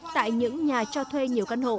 tại những nhà cho thuê nhiều căn hộ